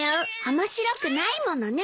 面白くないものね。